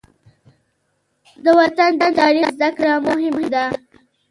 د وطن د تاریخ زده کړه مهمه ده.